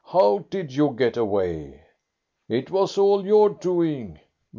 How did you get away?" "It was all your doing."